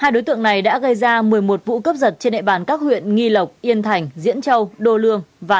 hai đối tượng này đã gây ra một mươi một vụ cấp giật trên địa bàn năm huyện nghệ an